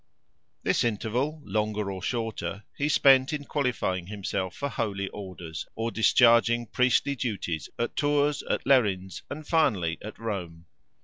This interval, longer or shorter, he spent in qualifying himself for Holy Orders or discharging priestly duties at Tours, at Lerins, and finally at Rome.